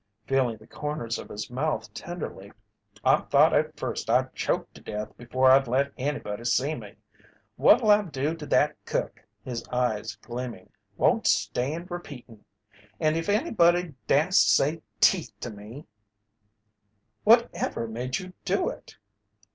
Feeling the corners of his mouth tenderly: "I thought at first I'd choke to death before I'd let anybody see me. What I'll do to that cook," his eyes gleaming, "won't stand repeatin'. And if anybody dast say 'teeth' to me " "Whatever made you do it?"